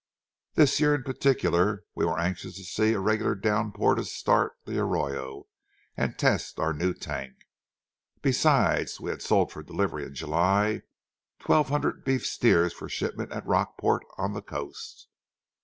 This year in particular, we were anxious to see a regular downpour to start the arroyo and test our new tank. Besides, we had sold for delivery in July, twelve hundred beef steers for shipment at Rockport on the coast.